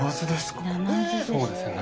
これそうですね